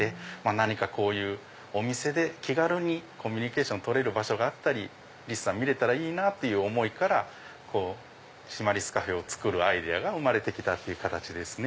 こういうお店で気軽にコミュニケーション取る場所があったりリスさん見れたらいいなって思いからシマリスカフェをつくるアイデアが生まれた形ですね。